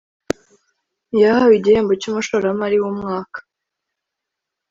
yahawe igihembo cy’umushoramari w’umwaka